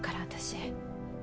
私